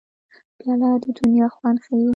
پیاله د دنیا خوند ښيي.